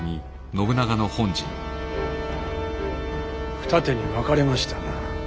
二手に分かれましたな。